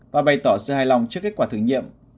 và bày tỏ sự hài lòng trước kết quả thử nghiệm